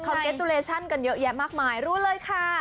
เก็ตตุเลชั่นกันเยอะแยะมากมายรู้เลยค่ะ